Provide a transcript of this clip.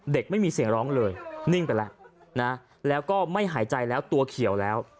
ไม่มีเสียงร้องเลยนิ่งไปแล้วนะแล้วก็ไม่หายใจแล้วตัวเขียวแล้ว